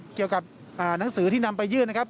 เกี่ยวกับหนังสือที่นำไปยื่นนะครับ